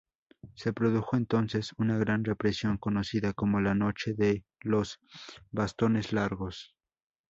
Se produjo entonces una gran represión conocida como la Noche de los Bastones Largos.